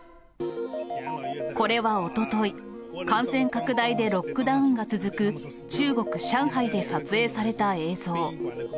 これはおととい、感染拡大でロックダウンが続く、中国・上海で撮影された映像。